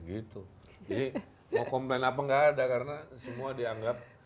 jadi mau complain apa gak ada karena semua dianggap